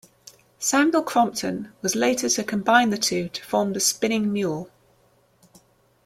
Samuel Crompton was later to combine the two to form the spinning mule.